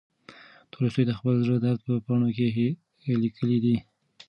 تولستوی د خپل زړه درد په پاڼو کې لیکلی دی.